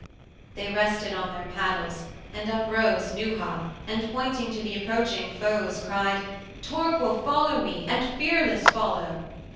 IV. They rested on their paddles, and uprose Neuha, and pointing to the approaching foes, Cried, "Torquil, follow me, and fearless follow!"